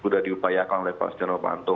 sudah diupayakan oleh pak sidenovanto